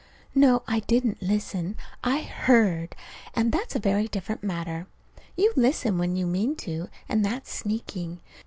No, I didn't listen. I heard. And that's a very different matter. You listen when you mean to, and that's sneaking.